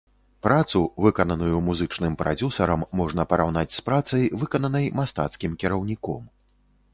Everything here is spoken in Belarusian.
Працу, выкананую музычным прадзюсарам, можна параўнаць з працай, выкананай мастацкім кіраўніком.